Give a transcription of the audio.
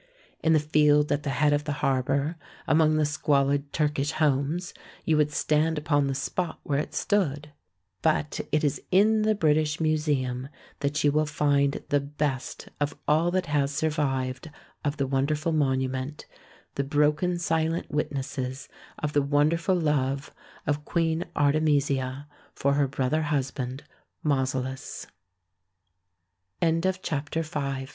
In the field at the head of the harbour, among the squalid Turkish homes, you would stand upon the spot where it stood, but it is in the British Museum that you will find the best of all that has survived of the wonderful monument the broken silent witnesses of the wonderful love of Queen Artemisia for he